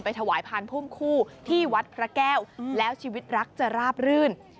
ถวายพานพุ่มคู่ที่วัดพระแก้วแล้วชีวิตรักจะราบรื่น